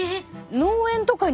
農園とかに。